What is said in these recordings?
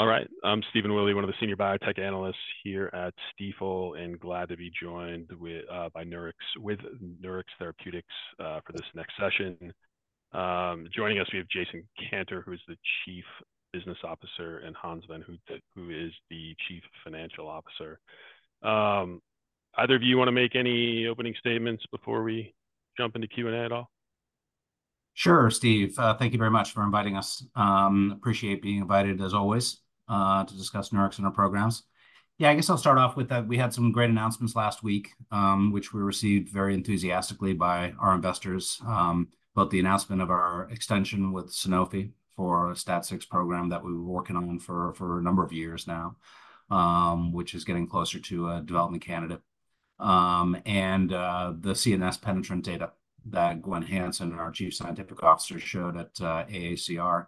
All right, I'm Stephen Willey, one of the senior biotech analysts here at Stifel, and glad to be joined with, by Nurix, with Nurix Therapeutics, for this next session. Joining us, we have Jason Kantor, who is the Chief Business Officer, and Hans van Houte, who is the Chief Financial Officer. Either of you want to make any opening statements before we jump into Q&A at all? Sure, Steve. Thank you very much for inviting us. Appreciate being invited, as always, to discuss Nurix and our programs. Yeah, I guess I'll start off with that we had some great announcements last week, which were received very enthusiastically by our investors. Both the announcement of our extension with Sanofi for our STAT6 program that we were working on for a number of years now, which is getting closer to a development candidate. And the CNS penetrant data that Gwenn Hansen, our Chief Scientific Officer, showed at AACR.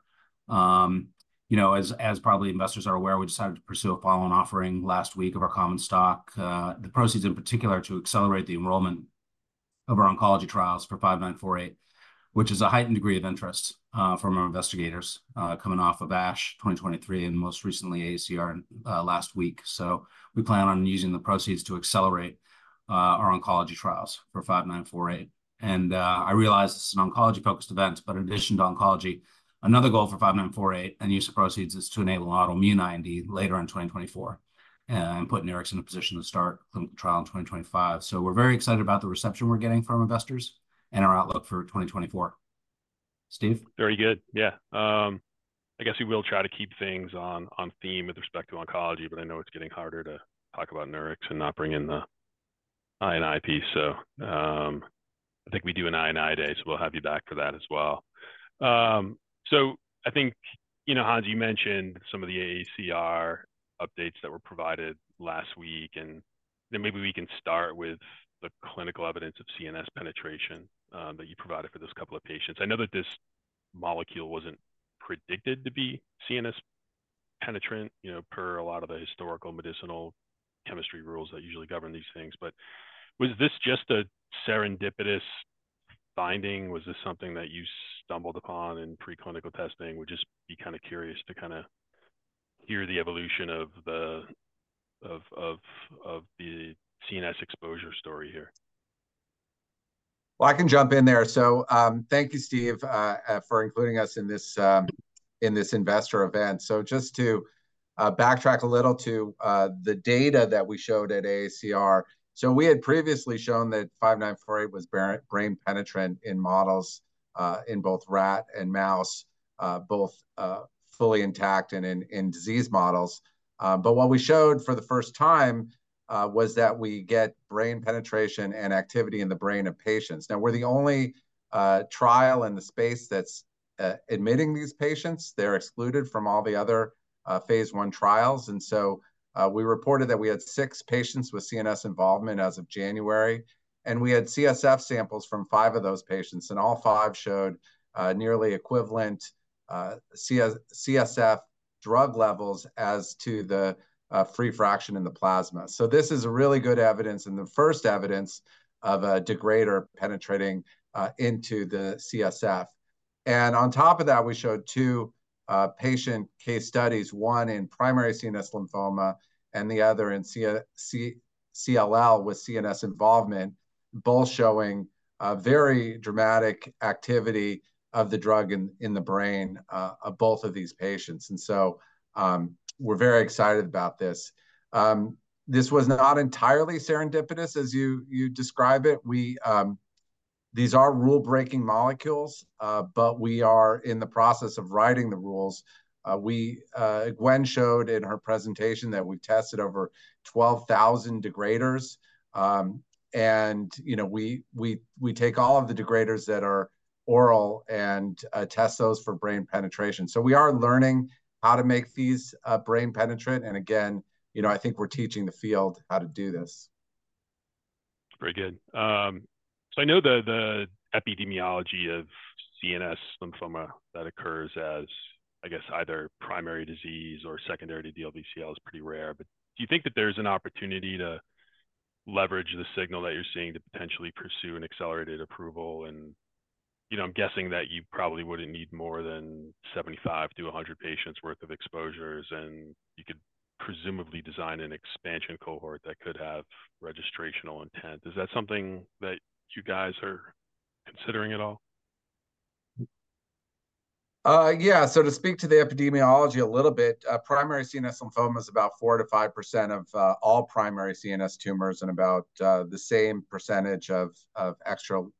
You know, as probably investors are aware, we decided to pursue a follow-on offering last week of our common stock. The proceeds, in particular, to accelerate the enrollment of our oncology trials for NX-5948, which is a heightened degree of interest from our investigators coming off of ASH 2023, and most recently, AACR last week. So we plan on using the proceeds to accelerate our oncology trials for NX-5948. I realize this is an oncology-focused event, but in addition to oncology, another goal for NX-5948 and use of proceeds is to enable an autoimmune IND later in 2024, and put Nurix in a position to start clinical trial in 2025. So we're very excited about the reception we're getting from investors and our outlook for 2024. Steve? Very good. Yeah. I guess we will try to keep things on theme with respect to oncology, but I know it's getting harder to talk about Nurix and not bring in the I&I piece. So, I think we do an I&I day, so we'll have you back for that as well. So I think, you know, Hans, you mentioned some of the AACR updates that were provided last week, and then maybe we can start with the clinical evidence of CNS penetration, that you provided for those couple of patients. I know that this molecule wasn't predicted to be CNS penetrant, you know, per a lot of the historical medicinal chemistry rules that usually govern these things, but was this just a serendipitous finding? Was this something that you stumbled upon in preclinical testing? Would just be kind of curious to kind of hear the evolution of the CNS exposure story here. Well, I can jump in there. So, thank you, Steve, for including us in this, in this investor event. So just to backtrack a little to the data that we showed at AACR. So we had previously shown that NX-5948 was brain penetrant in models, in both rat and mouse, both fully intact and in disease models. But what we showed for the first time was that we get brain penetration and activity in the brain of patients. Now, we're the only trial in the space that's admitting these patients. They're excluded from all the other phase one trials. And so, we reported that we had six patients with CNS involvement as of January, and we had CSF samples from five of those patients, and all five showed nearly equivalent CSF drug levels as to the free fraction in the plasma. So this is a really good evidence, and the first evidence of a degrader penetrating into the CSF. And on top of that, we showed two patient case studies, one in primary CNS lymphoma and the other in CLL with CNS involvement, both showing a very dramatic activity of the drug in the brain of both of these patients. And so, we're very excited about this. This was not entirely serendipitous, as you describe it. We, these are rule-breaking molecules, but we are in the process of writing the rules. We, Gwenn showed in her presentation that we tested over 12,000 degraders, and, you know, we take all of the degraders that are oral and test those for brain penetration. So we are learning how to make these brain penetrant. And again, you know, I think we're teaching the field how to do this. Very good. So I know the epidemiology of CNS lymphoma that occurs as, I guess, either primary disease or secondary DLBCL is pretty rare, but do you think that there's an opportunity to leverage the signal that you're seeing to potentially pursue an accelerated approval? And, you know, I'm guessing that you probably wouldn't need more than 75-100 patients worth of exposures, and you could presumably design an expansion cohort that could have registrational intent. Is that something that you guys are considering at all? Yeah. So to speak to the epidemiology a little bit, primary CNS lymphoma is about 4%-5% of all primary CNS tumors and about the same percentage of extranodal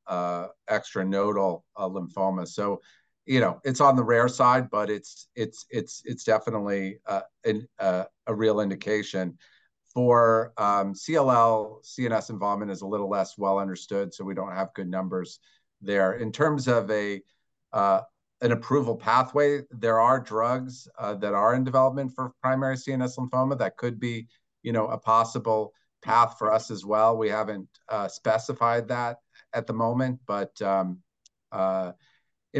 lymphomas. So, you know, it's on the rare side, but it's definitely a real indication. For CLL, CNS involvement is a little less well understood, so we don't have good numbers there. In terms of an approval pathway, there are drugs that are in development for primary CNS lymphoma that could be, you know, a possible path for us as well. We haven't specified that at the moment, but in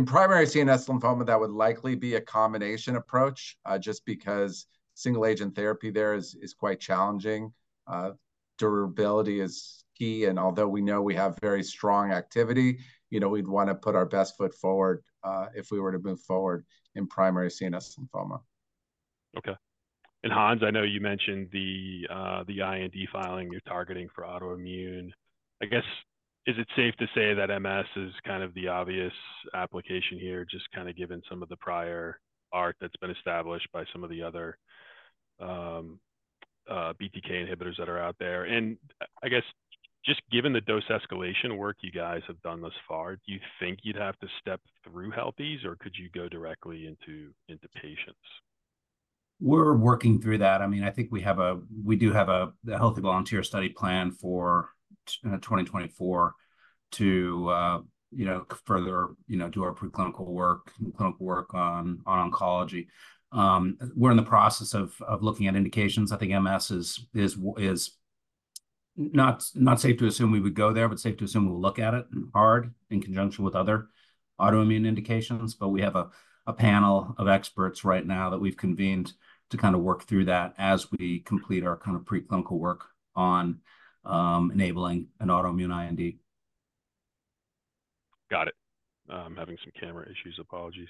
primary CNS lymphoma, that would likely be a combination approach just because single agent therapy there is quite challenging. Durability is key, and although we know we have very strong activity, you know, we'd want to put our best foot forward if we were to move forward in Primary CNS Lymphoma. Okay. And Hans, I know you mentioned the IND filing you're targeting for autoimmune. I guess, is it safe to say that MS is kind of the obvious application here, just kind of given some of the prior art that's been established by some of the other BTK inhibitors that are out there? And I guess, just given the dose escalation work you guys have done thus far, do you think you'd have to step through healthies, or could you go directly into patients? We're working through that. I mean, I think we have – we do have a healthy volunteer study plan for 2024 to, you know, further, you know, do our preclinical work and clinical work on oncology. We're in the process of looking at indications. I think MS is not safe to assume we would go there, but safe to assume we'll look at it hard in conjunction with other autoimmune indications. But we have a panel of experts right now that we've convened to kind of work through that as we complete our kind of preclinical work on enabling an autoimmune IND. Got it. I'm having some camera issues. Apologies.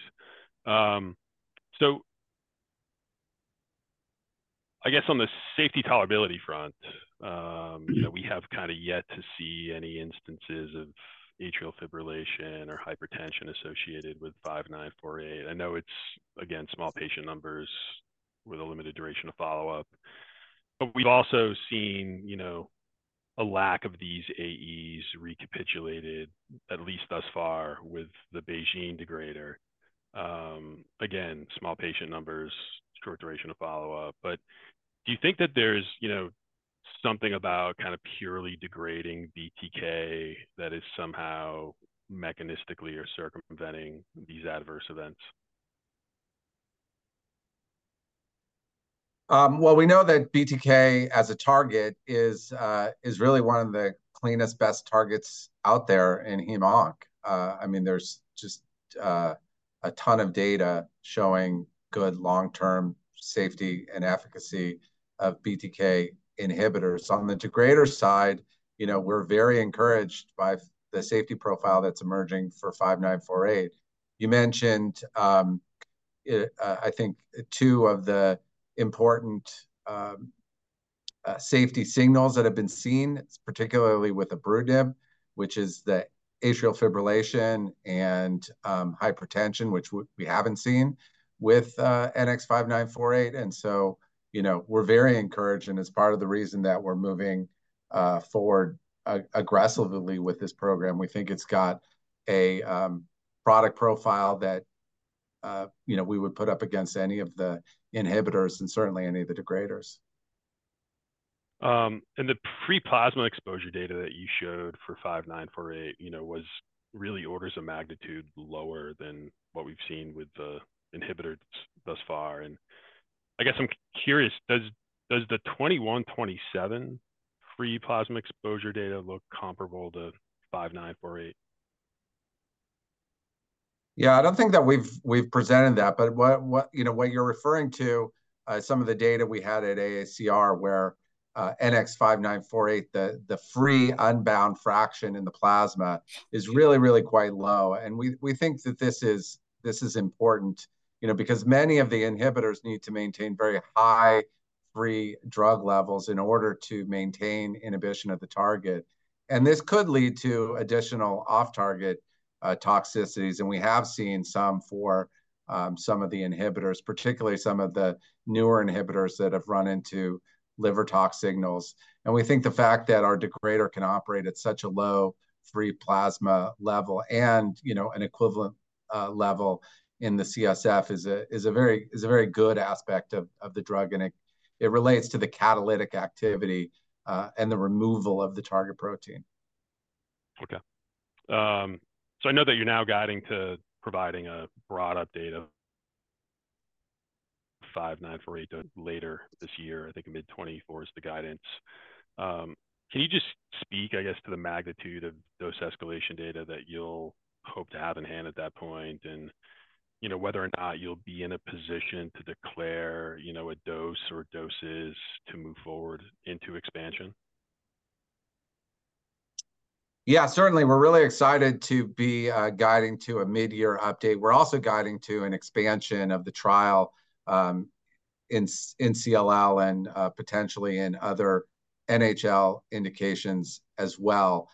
So I guess on the safety tolerability front, Mm-hmm... we have kind of yet to see any instances of atrial fibrillation or hypertension associated with NX-5948. I know it's, again, small patient numbers with a limited duration of follow-up. But we've also seen, you know, a lack of these AEs recapitulated at least thus far with the BeiGene degrader. Again, small patient numbers, short duration of follow-up. But do you think that there's, you know, something about kind of purely degrading BTK that is somehow mechanistically or circumventing these adverse events? Well, we know that BTK, as a target, is really one of the cleanest, best targets out there in heme onc. I mean, there's just a ton of data showing good long-term safety and efficacy of BTK inhibitors. On the degrader side, you know, we're very encouraged by the safety profile that's emerging for NX-5948. You mentioned, I think two of the important safety signals that have been seen, particularly with ibrutinib, which is the atrial fibrillation and hypertension, which we haven't seen with NX-5948. And so, you know, we're very encouraged, and it's part of the reason that we're moving forward aggressively with this program. We think it's got a product profile that, you know, we would put up against any of the inhibitors and certainly any of the degraders. And the free plasma exposure data that you showed for NX-5948, you know, was really orders of magnitude lower than what we've seen with the inhibitors thus far. And I guess I'm curious, does the NX-2127 free plasma exposure data look comparable to NX-5948? Yeah, I don't think that we've presented that, but what you know, what you're referring to, some of the data we had at AACR, where NX-5948, the free unbound fraction in the plasma is really quite low. And we think that this is important, you know, because many of the inhibitors need to maintain very high free drug levels in order to maintain inhibition of the target. And this could lead to additional off-target toxicities, and we have seen some for some of the inhibitors, particularly some of the newer inhibitors that have run into liver tox signals. We think the fact that our degrader can operate at such a low free plasma level and, you know, an equivalent level in the CSF is a very good aspect of the drug, and it relates to the catalytic activity and the removal of the target protein. Okay. So I know that you're now guiding to providing a broad update of NX-5948 later this year. I think mid-2024 is the guidance. Can you just speak, I guess, to the magnitude of dose escalation data that you'll hope to have in hand at that point and, you know, whether or not you'll be in a position to declare, you know, a dose or doses to move forward into expansion? Yeah, certainly. We're really excited to be guiding to a mid-year update. We're also guiding to an expansion of the trial in CLL and potentially in other NHL indications as well.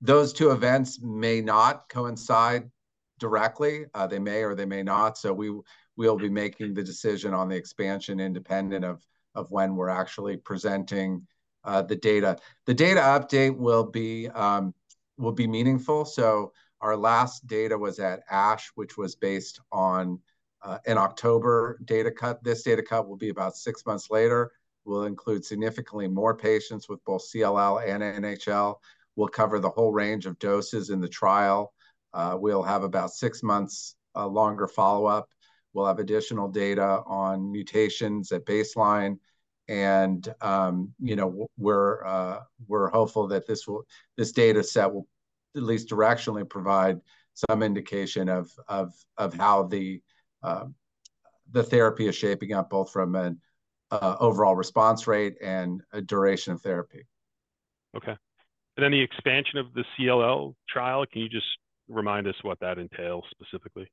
Those two events may not coincide directly. They may or they may not, so we'll be making the decision on the expansion independent of when we're actually presenting the data. The data update will be meaningful. So our last data was at ASH, which was based on an October data cut. This data cut will be about six months later, will include significantly more patients with both CLL and NHL, will cover the whole range of doses in the trial. We'll have about six months longer follow-up. We'll have additional data on mutations at baseline, and you know, we're hopeful that this data set will at least directionally provide some indication of how the therapy is shaping up, both from an overall response rate and a duration of therapy. Okay. Any expansion of the CLL trial, can you just remind us what that entails specifically?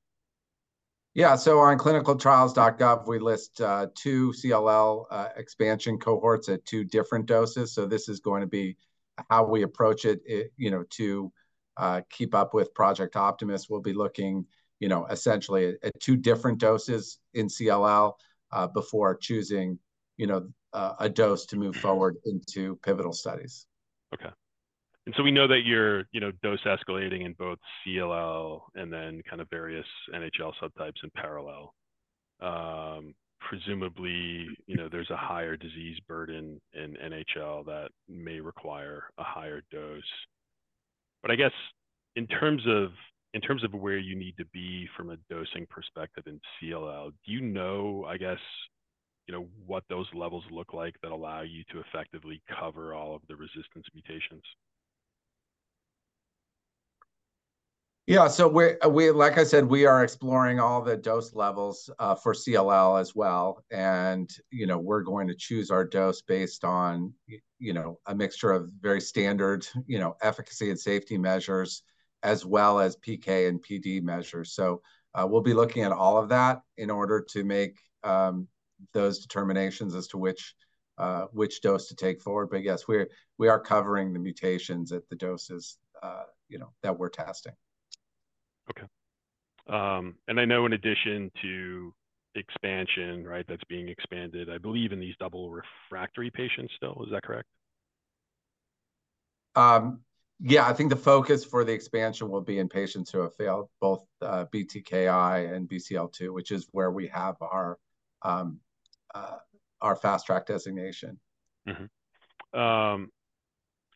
Yeah. So on clinicaltrials.gov, we list two CLL expansion cohorts at two different doses. So this is going to be how we approach it, you know, to keep up with Project Optimist. We'll be looking, you know, essentially at two different doses in CLL before choosing, you know, a dose to move forward into pivotal studies. Okay. And so we know that you're, you know, dose escalating in both CLL and then kind of various NHL subtypes in parallel. Presumably, you know, there's a higher disease burden in NHL that may require a higher dose. But I guess in terms of, in terms of where you need to be from a dosing perspective in CLL, do you know, I guess, you know, what those levels look like that allow you to effectively cover all of the resistance mutations? Yeah. So we're like I said, we are exploring all the dose levels for CLL as well. And, you know, we're going to choose our dose based on, you know, a mixture of very standard, you know, efficacy and safety measures, as well as PK and PD measures. So, we'll be looking at all of that in order to make those determinations as to which which dose to take forward. But yes, we are covering the mutations at the doses, you know, that we're testing. Okay. I know in addition to expansion, right? That's being expanded, I believe, in these double refractory patients still. Is that correct? Yeah, I think the focus for the expansion will be in patients who have failed both BTKI and BCL-2, which is where we have our Fast Track designation. Mm-hmm.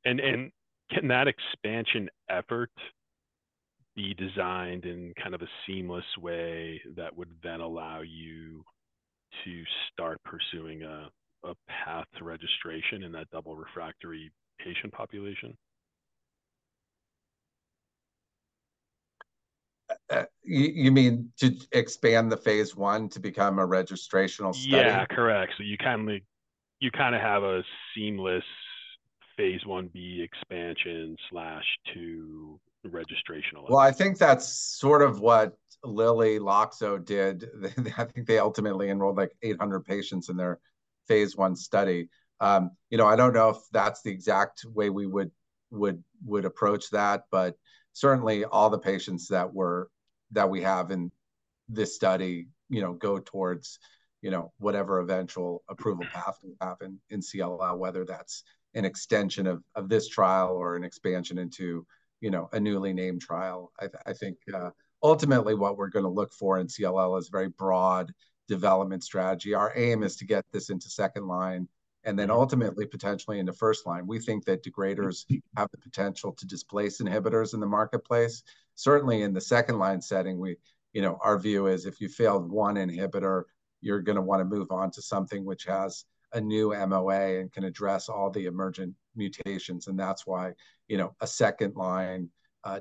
And can that expansion effort be designed in kind of a seamless way that would then allow you to start pursuing a path to registration in that double refractory patient population? You mean to expand the phase 1 to become a registrational study? Yeah, correct. So you kinda, you kinda have a seamless phase 1b expansion slash to the registrational- Well, I think that's sort of what Lilly Loxo did. I think they ultimately enrolled, like, 800 patients in their phase 1 study. You know, I don't know if that's the exact way we would approach that, but certainly all the patients that were... that we have in this study, you know, go towards, you know, whatever eventual approval- Mm-hmm Path will happen in CLL, whether that's an extension of this trial or an expansion into, you know, a newly named trial. I think, ultimately, what we're gonna look for in CLL is very broad development strategy. Our aim is to get this into second line and then ultimately, potentially in the first line. We think that degraders have the potential to displace inhibitors in the marketplace. Certainly, in the second line setting, you know, our view is if you failed one inhibitor, you're gonna wanna move on to something which has a new MOA and can address all the emergent mutations, and that's why, you know, a second-line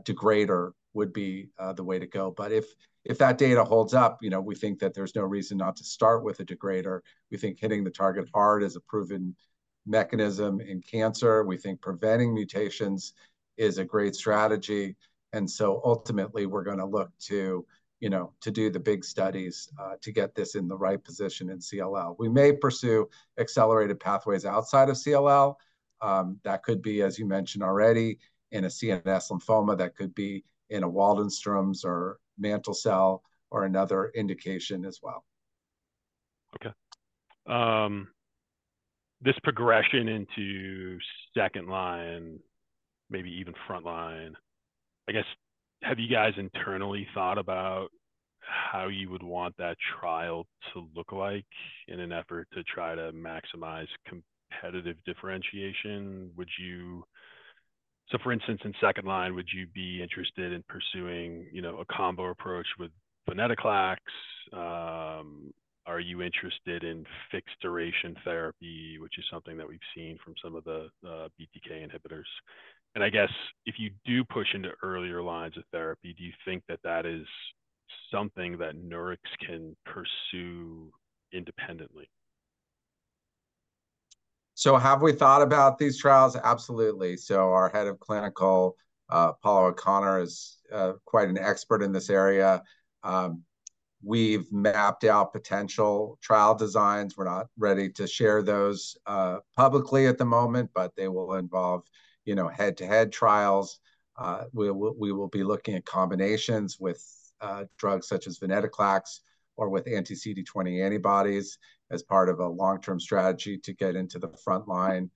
degrader would be the way to go. But if that data holds up, you know, we think that there's no reason not to start with a degrader. We think hitting the target hard is a proven mechanism in cancer. We think preventing mutations is a great strategy, and so ultimately, we're gonna look to, you know, to do the big studies, to get this in the right position in CLL. We may pursue accelerated pathways outside of CLL. That could be, as you mentioned already, in a CNS lymphoma, that could be in a Waldenström's or mantle cell, or another indication as well. Okay. This progression into second line, maybe even front line, I guess, have you guys internally thought about how you would want that trial to look like in an effort to try to maximize competitive differentiation? Would you... So for instance, in second line, would you be interested in pursuing, you know, a combo approach with venetoclax? Are you interested in fixed-duration therapy, which is something that we've seen from some of the BTK inhibitors? And I guess if you do push into earlier lines of therapy, do you think that that is something that Nurix can pursue independently? So have we thought about these trials? Absolutely. So our head of clinical, Paula O'Connor, is quite an expert in this area. We've mapped out potential trial designs. We're not ready to share those publicly at the moment, but they will involve, you know, head-to-head trials. We will be looking at combinations with drugs such as Venetoclax or with anti-CD20 antibodies as part of a long-term strategy to get into the front line.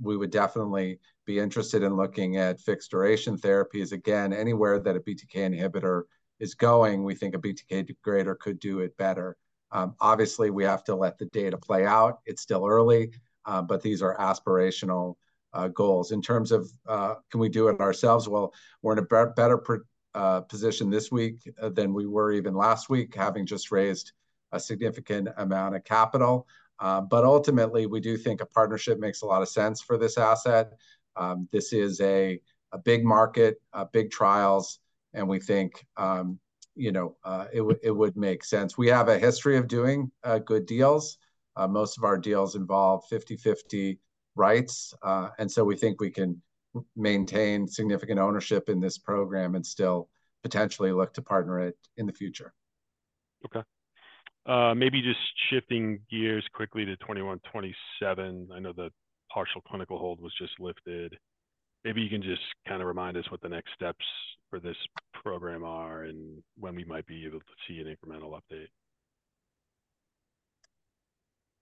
We would definitely be interested in looking at fixed-duration therapies. Again, anywhere that a BTK inhibitor is going, we think a BTK degrader could do it better. Obviously, we have to let the data play out. It's still early, but these are aspirational goals. In terms of can we do it ourselves? Well, we're in a better position this week than we were even last week, having just raised a significant amount of capital. But ultimately, we do think a partnership makes a lot of sense for this asset. This is a big market, big trials... and we think, you know, it would make sense. We have a history of doing good deals. Most of our deals involve 50/50 rights, and so we think we can maintain significant ownership in this program and still potentially look to partner it in the future. Okay. Maybe just shifting gears quickly to 21, 27. I know the partial clinical hold was just lifted. Maybe you can just kind of remind us what the next steps for this program are, and when we might be able to see an incremental update.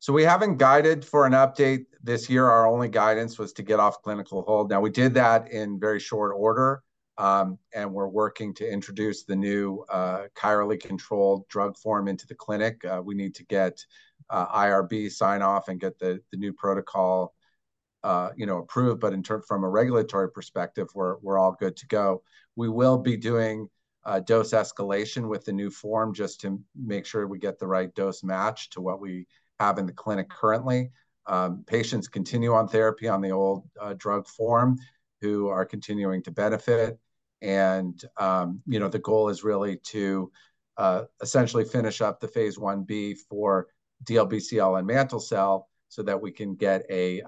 So we haven't guided for an update this year. Our only guidance was to get off clinical hold. Now, we did that in very short order, and we're working to introduce the new, chirally controlled drug form into the clinic. We need to get IRB sign-off and get the new protocol, you know, approved. But from a regulatory perspective, we're all good to go. We will be doing dose escalation with the new form just to make sure we get the right dose matched to what we have in the clinic currently. Patients continue on therapy on the old drug form, who are continuing to benefit. You know, the goal is really to essentially finish up the phase 1b for DLBCL and mantle cell so that we can get a,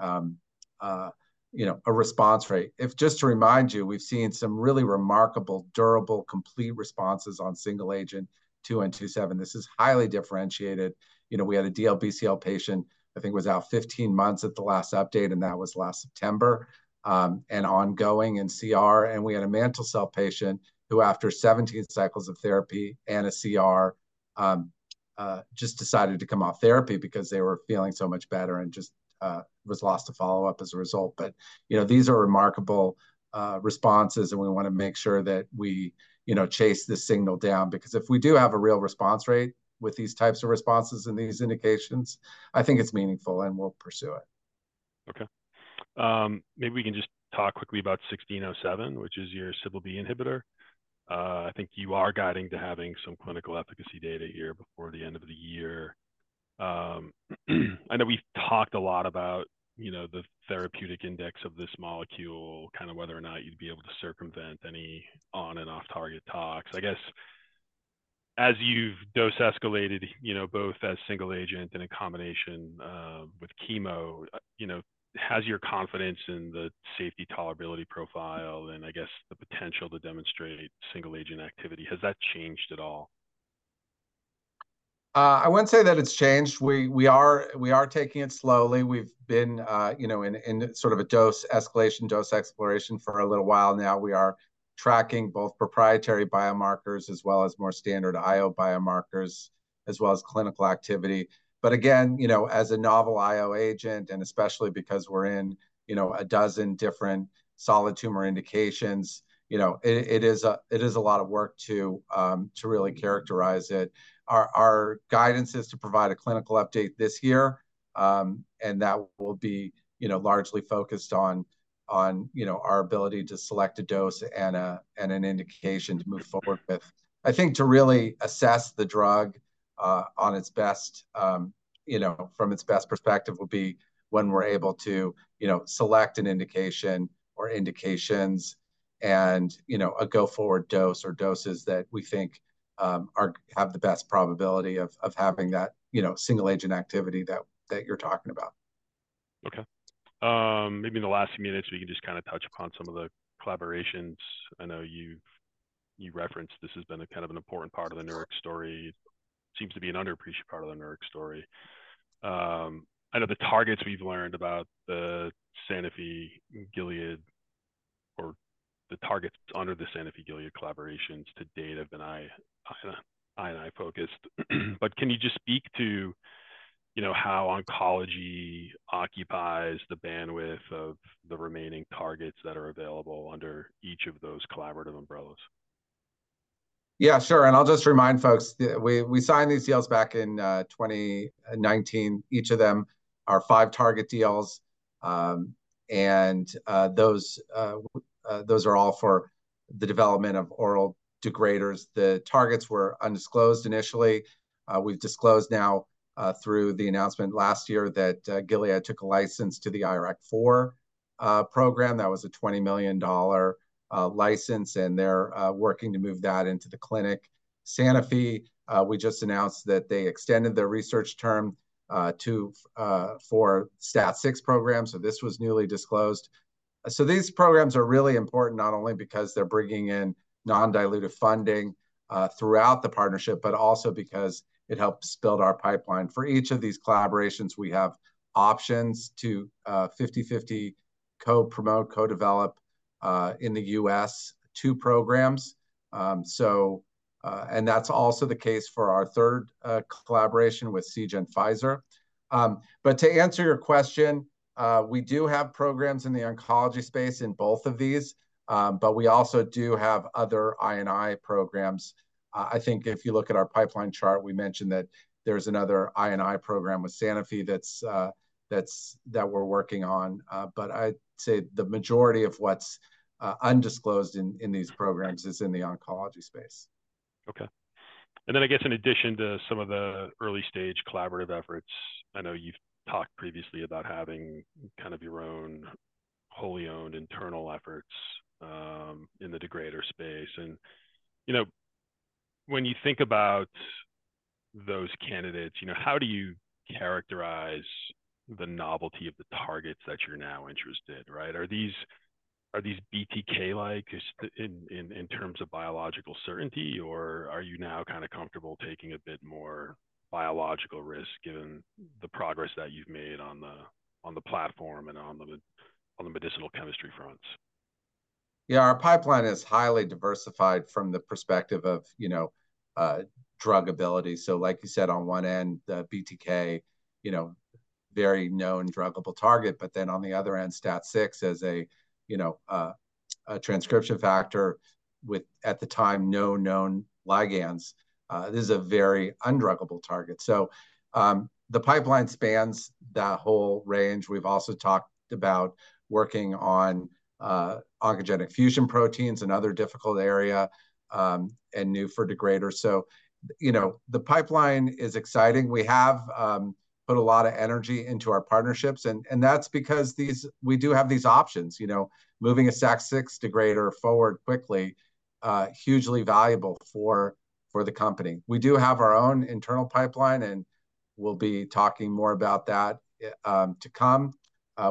you know, a response rate. Just to remind you, we've seen some really remarkable, durable, complete responses on single agent NX-2127. This is highly differentiated. You know, we had a DLBCL patient, I think was out 15 months at the last update, and that was last September, and ongoing in CR. And we had a mantle cell patient, who, after 17 cycles of therapy and a CR, just decided to come off therapy because they were feeling so much better and just was lost to follow-up as a result. But, you know, these are remarkable responses, and we wanna make sure that we, you know, chase this signal down, because if we do have a real response rate with these types of responses and these indications, I think it's meaningful, and we'll pursue it. Okay. Maybe we can just talk quickly about NX-1607, which is your CBL-B inhibitor. I think you are guiding to having some clinical efficacy data here before the end of the year. I know we've talked a lot about, you know, the therapeutic index of this molecule, kind of whether or not you'd be able to circumvent any on- and off-target toxicities. I guess, as you've dose escalated, you know, both as single agent and in combination with chemo, you know, has your confidence in the safety tolerability profile, and I guess the potential to demonstrate single agent activity, has that changed at all? I wouldn't say that it's changed. We are taking it slowly. We've been, you know, in sort of a dose escalation, dose exploration for a little while now. We are tracking both proprietary biomarkers as well as more standard IO biomarkers, as well as clinical activity. But again, you know, as a novel IO agent, and especially because we're in, you know, a dozen different solid tumor indications, you know, it is a lot of work to really characterize it. Our guidance is to provide a clinical update this year, and that will be, you know, largely focused on you know our ability to select a dose and an indication to move forward with. I think, to really assess the drug on its best, you know, from its best perspective, will be when we're able to, you know, select an indication or indications and, you know, a go-forward dose or doses that we think are have the best probability of having that, you know, single agent activity that you're talking about. Okay. Maybe in the last few minutes, we can just kind of touch upon some of the collaborations. I know you've referenced this has been a kind of an important part of the Nurix story. Seems to be an underappreciated part of the Nurix story. I know the targets we've learned about, the Sanofi, Gilead, or the targets under the Sanofi, Gilead collaborations to date have been I&I focused. But can you just speak to, you know, how oncology occupies the bandwidth of the remaining targets that are available under each of those collaborative umbrellas? Yeah, sure. I'll just remind folks, we signed these deals back in 2019. Each of them are five-target deals. And those are all for the development of oral degraders. The targets were undisclosed initially. We've disclosed now through the announcement last year that Gilead took a license to the IRAK4 program. That was a $20 million dollar license, and they're working to move that into the clinic. Sanofi, we just announced that they extended their research term to for STAT6 programs, so this was newly disclosed. So these programs are really important, not only because they're bringing in non-dilutive funding throughout the partnership, but also because it helps build our pipeline. For each of these collaborations, we have options to 50/50 co-promote, co-develop in the US, two programs. And that's also the case for our third collaboration with Seagen Pfizer. But to answer your question, we do have programs in the oncology space in both of these, but we also do have other INI programs. I think if you look at our pipeline chart, we mentioned that there's another INI program with Sanofi that's that we're working on. But I'd say the majority of what's undisclosed in these programs is in the oncology space. Okay. And then I guess in addition to some of the early stage collaborative efforts, I know you've talked previously about having kind of your own wholly owned internal efforts in the degrader space. And, you know, when you think about those candidates, you know, how do you characterize the novelty of the targets that you're now interested, right? Are these, are these BTK like in terms of biological certainty, or are you now kind of comfortable taking a bit more biological risk, given the progress that you've made on the platform and on the medicinal chemistry fronts? Yeah, our pipeline is highly diversified from the perspective of, you know, druggability. So like you said, on one end, the BTK, you know, very known druggable target, but then on the other end, STAT6 as a, you know, a transcription factor with, at the time, no known ligands. This is a very undruggable target. So, the pipeline spans that whole range. We've also talked about working on, oncogenic fusion proteins, another difficult area, and new for degrader. So, you know, the pipeline is exciting. We have, put a lot of energy into our partnerships, and, and that's because these-- we do have these options, you know, moving a STAT6 degrader forward quickly, hugely valuable for, for the company. We do have our own internal pipeline, and we'll be talking more about that, to come.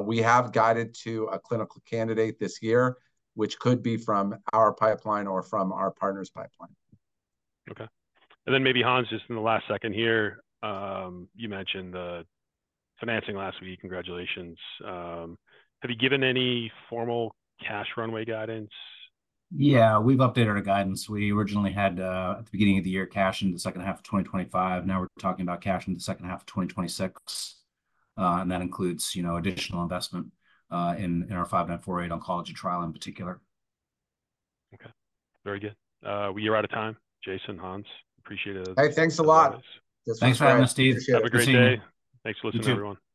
We have guided to a clinical candidate this year, which could be from our pipeline or from our partner's pipeline. Okay. And then maybe, Hans, just in the last second here, you mentioned the financing last week. Congratulations. Have you given any formal cash runway guidance? Yeah, we've updated our guidance. We originally had, at the beginning of the year, cash in the second half of 2025. Now we're talking about cash in the second half of 2026. And that includes, you know, additional investment in our NX-5948 oncology trial in particular. Okay. Very good. We are out of time. Jason, Hans, appreciate it. Hey, thanks a lot. Thanks for having us, Steve. Have a great day. Thanks for listening, everyone. Take care.